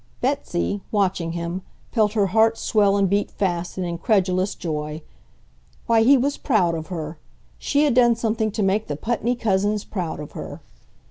Betsy, watching him, felt her heart swell and beat fast in incredulous joy. Why, he was proud of her! She had done something to make the Putney cousins proud of her!